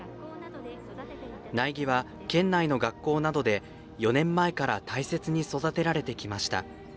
苗木は県内の学校などで４年前から大切に育てられてきました。